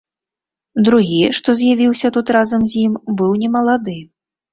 Другі, што з'явіўся тут разам з ім, быў немалады.